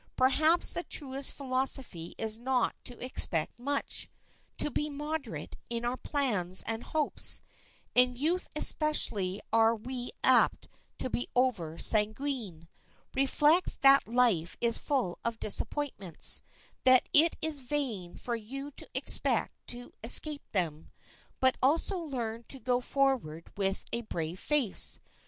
Perhaps the truest philosophy is not to expect much, to be moderate in our plans and hopes. In youth especially are we apt to be over sanguine. Reflect that life is full of disappointments, that it is vain for you to expect to escape them. But also learn to go forward with a brave face.